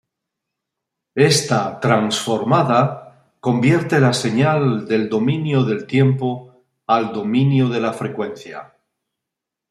Esta transformada convierte la señal del dominio del tiempo al dominio de la frecuencia.